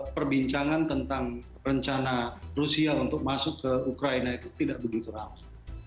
perbincangan tentang rencana rusia untuk masuk ke ukraina itu tidak begitu ramai